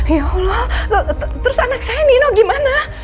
ya allah terus anak saya nino gimana